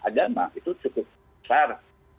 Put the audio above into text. agama itu cukup besar